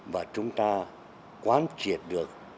và chúng ta quán triệt được